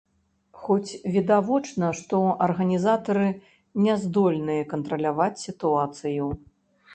Хоць відавочна, што арганізатары не здольныя кантраляваць сітуацыю.